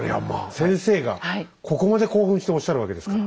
先生がここまで興奮しておっしゃるわけですから。